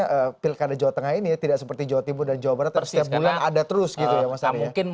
karena pilkada jawa tengah ini ya tidak seperti jawa timur dan jawa barat yang setiap bulan ada terus gitu ya mas ari ya